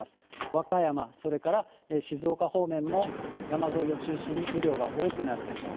和歌山、それから静岡方面も、山沿いを中心に雨量が多くなるでしょう。